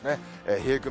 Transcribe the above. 冷え込み